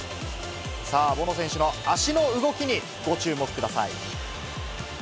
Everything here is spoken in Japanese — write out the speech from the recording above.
さあ、ボノ選手の足の動きにご注目ください。